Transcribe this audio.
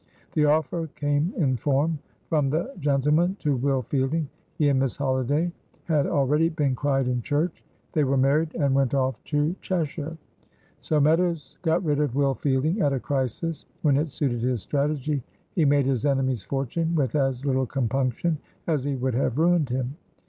The offer came in form from the gentleman to Will Fielding. He and Miss Holiday had already been cried in church. They were married, and went off to Cheshire. So Meadows got rid of Will Fielding at a crisis. When it suited his strategy he made his enemy's fortune with as little compunction as he would have ruined him.